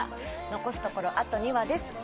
残すところあと２話です。